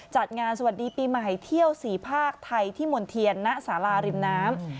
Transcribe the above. จัดงานสวัสดีปีใหม่เที่ยวสี่ภาคไทยที่มณ์เทียนณสาราริมน้ำ